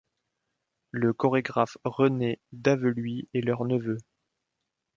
Le chorégraphe René Daveluy est leur neveu.